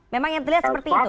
memang yang terlihat seperti itu